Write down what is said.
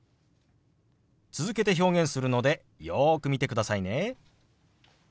続けて表現するのでよく見てくださいね。